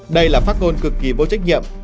đây là phát ngôn cực kỳ vô trách nhiệm